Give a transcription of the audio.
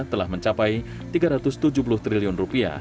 telah mencapai rp tiga ratus tujuh puluh triliun